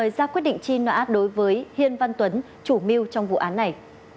giác quyết định chi nọ át đối với hiên văn tuấn chủ mưu trong vụ án này